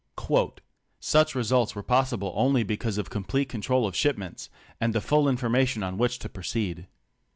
"Such results were possible only because of complete control of shipments, and the full information on which to proceed.